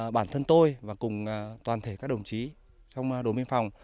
bản thân tôi và cùng toàn thể các đồng chí trong đồn biên phòng